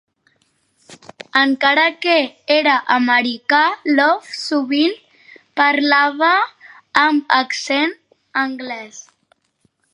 Encara que era americà, Love sovint parlava amb accent anglès.